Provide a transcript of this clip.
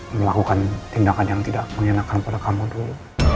melakukan tindakan yang tidak mengenakan pada kamu dulu